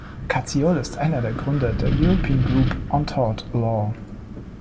Koziol ist einer der Gründer der European Group on Tort Law.